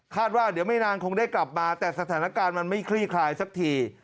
ว่าเดี๋ยวไม่นานคงได้กลับมาแต่สถานการณ์มันไม่คลี่คลายสักที